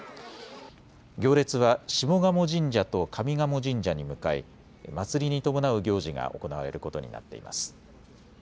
行列は下鴨神社と上賀茂神社に向かい祭りに伴う行事が行われることになっています。